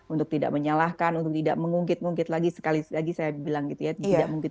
untuk tidak menyalahkan untuk tidak mengungkit ungkit lagi sekali lagi saya bilang gitu ya